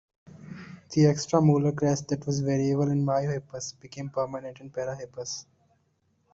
The extra molar crest that was variable in "Miohippus" became permanent in "Parahippus".